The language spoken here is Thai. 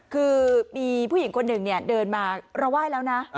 คือมีผู้หญิงคนหนึ่งเดินมาเราไหว้แล้วนะ